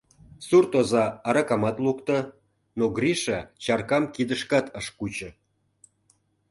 Сурт оза аракамат лукто, но Гриша чаркам кидышкат ыш кучо.